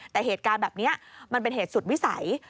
แต่เหตุการณ์แบบนี้มันเป็นเหตุสุดวิสัย